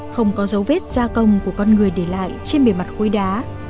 không có dấu vết gia công của con người để lại trên bề mặt khối đá